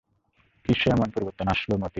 কিসে এমন পরিবর্তন আসিল মতির?